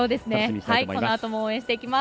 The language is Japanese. このあとも応援していきます。